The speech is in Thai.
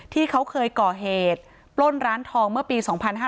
ที่เขาเคยก่อเหตุปล้นร้านทองเมื่อปี๒๕๕๙